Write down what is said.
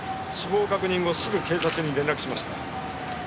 死亡確認後すぐ警察に連絡しました。